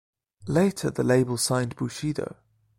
Later, the label also signed Bushido.